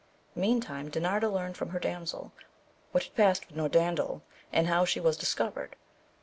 Meantime Dinarda learnt from her damsel what had passed with Noraudel, and how she was discovered.